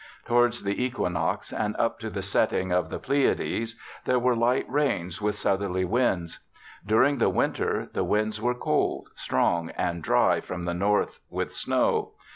Towards the equinox, and up to the setting of the Pleiades, there were light rains with southerly winds. During the winter, the winds were cold, strong, and dry from the north, with snow.